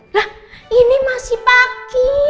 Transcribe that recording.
hah ini masih pagi